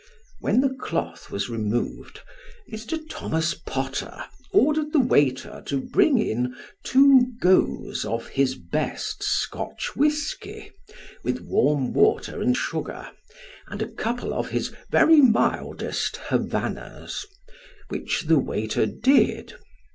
When the cloth was removed, Mr. Thomas Potter ordered the waiter to bring in, two goes of his best Scotch whiskey, with warm water and sugar, and a couple of his " very mildest " Havannahs, which the waiter did.